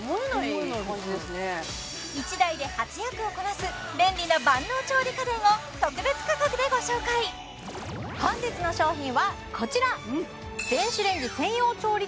１台で８役をこなす便利な万能調理家電を特別価格でご紹介本日の商品はこちら！